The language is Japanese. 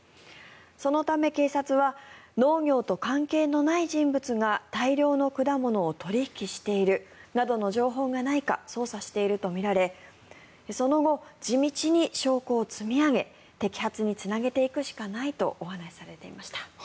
そのため警察は農業と関係のない人物が大量の果物を取引しているなどの情報がないか捜査しているとみられその後、地道に証拠を積み上げ摘発につなげていくしかないとお話しされていました。